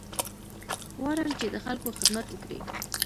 غواړم چې د خلکو خدمت وکړې.